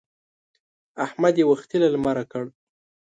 احمد يې وختي له لمره کړ.